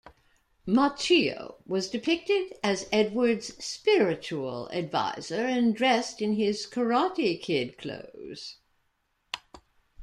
Macchio was depicted as Edwards' "spiritual advisor" and dressed in his "Karate Kid" clothes.